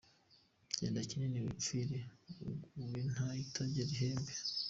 Genda Kinani wipfire, ngo “iguye ntayitayigera ihembe!”